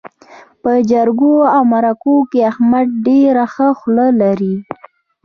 په جرګو او مرکو کې احمد ډېره ښه خوله لري.